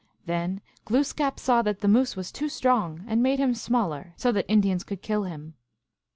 Then Glooskap saw that the Moose was too strong, and made him smaller, so that Indians could kill him.